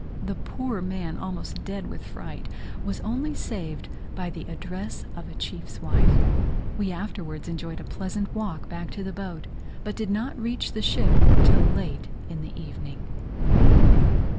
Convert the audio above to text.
The poor man, almost dead with fright, was only saved by the address of a chief's wife. We afterwards enjoyed a pleasant walk back to the boat, but did not reach the ship till late in the evening.